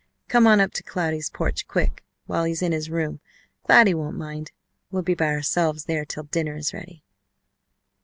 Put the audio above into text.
Come on up to Cloudy's porch, quick, while he's in his room. Cloudy won't mind. We'll be by ourselves there till dinner is ready!"